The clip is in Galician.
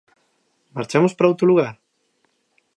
Marchamos para outro lugar?